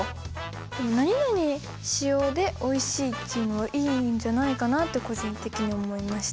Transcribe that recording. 何々使用でおいしいっていうのはいいんじゃないかなって個人的に思いました。